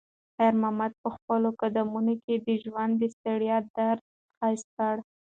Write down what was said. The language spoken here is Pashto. خیر محمد په خپلو قدمونو کې د ژوند د ستړیا درد حس کړ.